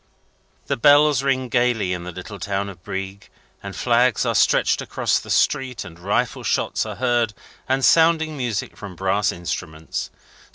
The bells ring gaily in the little town of Brieg, and flags are stretched across the street, and rifle shots are heard, and sounding music from brass instruments.